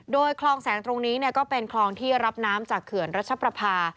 โดยคลองแสงตรงนี้ก็เป็นคลองที่รับน้ำจากเขื่อนรัชประพา